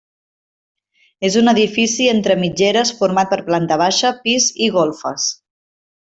És un edifici entre mitgeres format per planta baixa, pis i golfes.